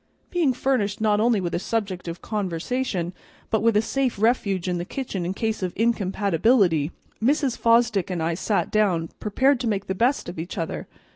Being furnished not only with a subject of conversation, but with a safe refuge in the kitchen in case of incompatibility, Mrs. Fosdick and I sat down, prepared to make the best of each other.